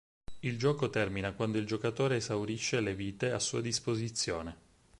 Il gioco termina quando il giocatore esaurisce le vite a sua disposizione.